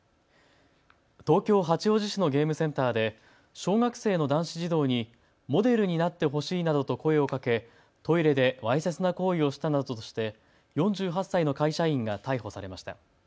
東京八王子市のゲームセンターで小学生の男子児童にモデルになってほしいなどと声をかけトイレでわいせつな行為をしたなどとして４８歳の会社員が逮捕されました。